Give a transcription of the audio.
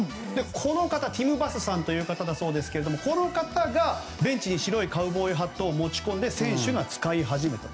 この方、ティム・バスさんという方だそうですけどこの方がベンチに白いカウボーイハットを持ち込んで選手が使い始めた。